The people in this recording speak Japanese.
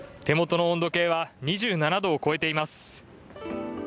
手元の温度計は２７度を超えています。